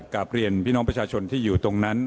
กลับเรียนพี่น้องประชาชนที่อยู่ตรงนั้น